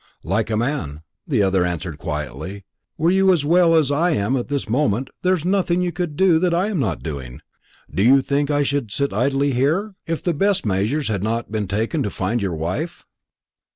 "Like a man," the other answered quietly. "Were you as well as I am this moment, there's nothing you could do that I am not doing. Do you think I should sit idly here, if the best measures had not been taken to find your wife?"